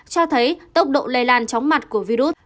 cho thấy tốc độ lây lan chóng mặt của virus